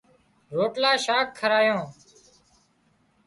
روٽلا شاک کارايون